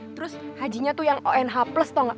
terus hajinya tuh yang onh plus tau gak